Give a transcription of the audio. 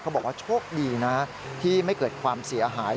บอกว่าโชคดีนะที่ไม่เกิดความเสียหาย